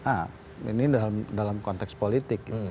ah ini dalam konteks politik